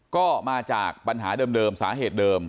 ก็มาจากปัญหาเดิมสาเหตุเดิม